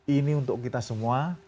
ini untuk kita semua